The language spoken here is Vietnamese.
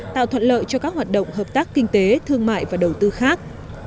tạo thuận lợi cho các hoạt động hợp tác kinh tế thương mại và đầu tư khác